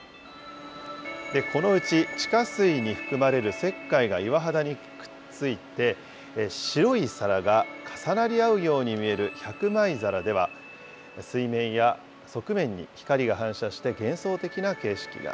このうち、地下水に含まれる石灰が岩肌にくっついて、白い皿が重なり合うように見える、百枚皿では、水面や側面に光が反射して幻想的な景色が。